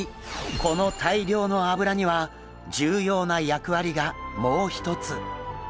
この大量の脂には重要な役割がもう一つ。